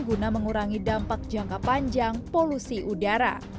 guna mengurangi dampak jangka panjang polusi udara